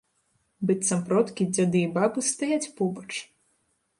Быццам продкі-дзяды і бабы стаяць побач.